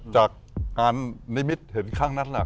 จากการนิมิดเห็นข้างนั้นนะ